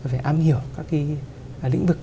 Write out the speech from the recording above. và phải am hiểu các lĩnh vực